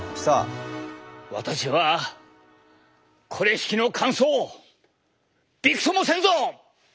私はこれしきの乾燥びくともせんぞ！